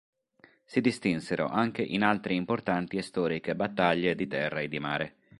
Si distinsero anche in altre importanti e storiche battaglie di terra e di mare.